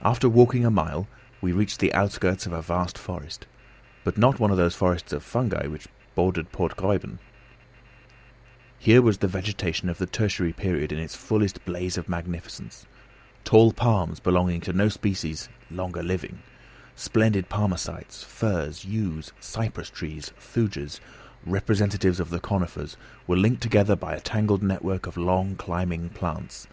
After walking a mile we reached the outskirts of a vast forest, but not one of those forests of fungi which bordered Port Gräuben. Here was the vegetation of the tertiary period in its fullest blaze of magnificence. Tall palms, belonging to species no longer living, splendid palmacites, firs, yews, cypress trees, thujas, representatives of the conifers, were linked together by a tangled network of long climbing plants.